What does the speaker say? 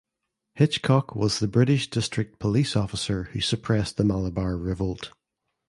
Hitchcock was the British District Police Officer who suppressed the Malabar Revolt.